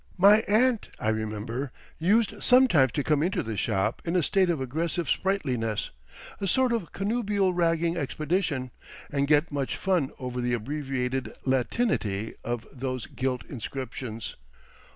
My aunt, I remember, used sometimes to come into the shop in a state of aggressive sprightliness, a sort of connubial ragging expedition, and get much fun over the abbreviated Latinity of those gilt inscriptions.